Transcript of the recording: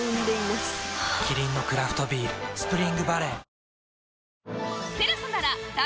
キリンのクラフトビール「スプリングバレー」